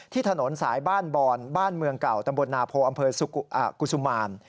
ถนนสายบ้านบอนบ้านเมืองเก่าตำบลนาโพอำเภอกุศุมาร